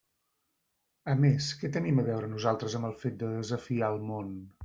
A més, ¿què tenim a veure nosaltres amb el fet de desafiar el món?